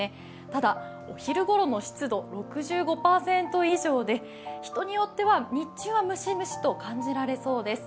ただ、お昼ごろの湿度６５％以上で人によっては日中はムシムシと感じられそうです。